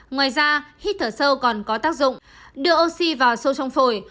ngoài ra hít thở sâu còn có tác dụng đưa oxy vào sâu trong phổi